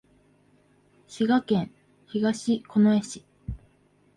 滋賀県東近江市